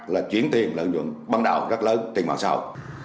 là chuyển tiền lợi nhuận băng đạo rất lớn tình mạng sao